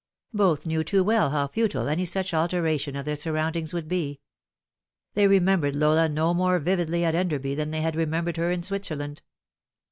Both knew too well how futile any such alteration of then: surroundings would be. They remembered Lola no more vividly at Enderby than they had remembered her in Switzerland.